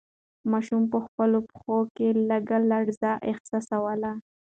ماشوم په خپلو پښو کې لږه لړزه احساسوله.